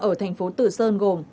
ở thành phố tử sơn gồm